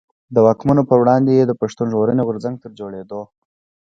د واکمنو پر وړاندي يې د پښتون ژغورني غورځنګ تر جوړېدو.